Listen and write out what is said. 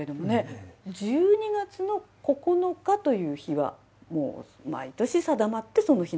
１２月の９日という日は毎年定まってその日なんですか？